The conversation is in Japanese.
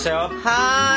はい！